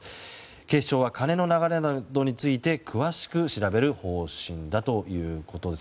警視庁は金の流れなどについて詳しく調べる方針だということです。